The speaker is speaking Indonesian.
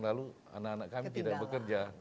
lalu anak anak kami tidak bekerja